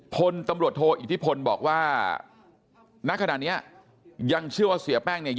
พลตำรวจโทอิทธิพลบอกว่าณขณะนี้ยังเชื่อว่าเสียแป้งเนี่ย